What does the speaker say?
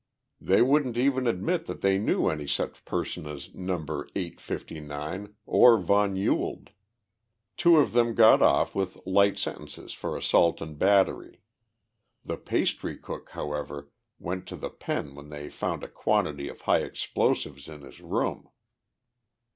They wouldn't even admit that they knew any such person as 'Number Eight fifty nine' or von Ewald. Two of them got off with light sentences for assault and battery. The pastry cook, however, went to the pen when they found a quantity of high explosives in his room."